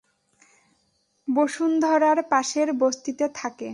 বসুন্ধরার পাশের বস্তিতে থাকে।